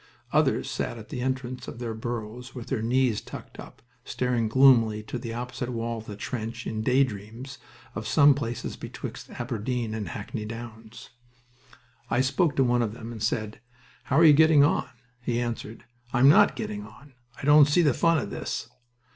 Others sat at the entrance of their burrows with their knees tucked up, staring gloomily to the opposite wall of the trench in day dreams of some places betwixt Aberdeen and Hackney Downs. I spoke to one of them, and said, "How are you getting on?" He answered, "I'm not getting on... I don't see the fun of this."